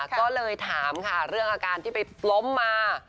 ก็เลยถามค่ะเรื่องอาการที่ไปล้มมา